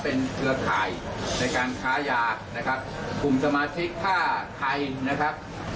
เป็นเครือข่ายในการค้ายานะครับกลุ่มสมาชิกถ้าใครนะครับ